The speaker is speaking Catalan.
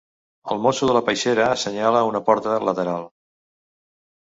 El mosso de la peixera assenyala una porta lateral.